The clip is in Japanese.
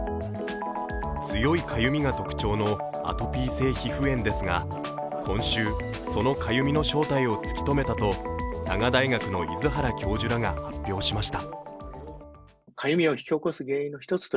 強いかゆみが特徴のアトピー性皮膚炎ですが今週、そのかゆみの正体を突き止めたと佐賀大学の出原教授らが発表しました。